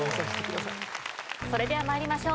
それでは参りましょう。